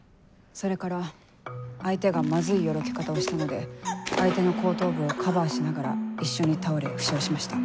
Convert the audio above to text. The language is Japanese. それから相手がマズいよろけ方をしたので相手の後頭部をカバーしながら一緒に倒れ負傷しました。